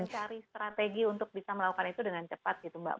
cari strategi untuk bisa melakukan itu dengan cepat mbak